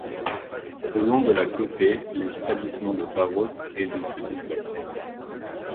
Le long de la côté les établissements de Tharros et de se développent.